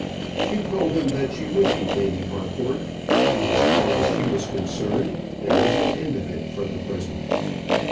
She told him that she would be Lady Harcourt; and, as far as she was concerned, there was an end of it for the present.